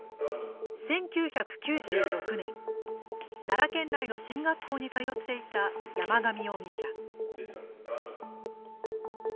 奈良県内の進学校に通っていた山上容疑者。